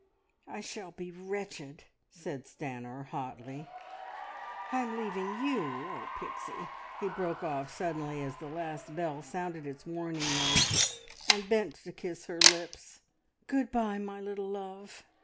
"I shall be wretched!" said Stanor hotly. "I'm leaving you. Oh! Pixie " He broke off suddenly as the last bell sounded its warning note, and bent to kiss her lips; "Good bye, my little love!"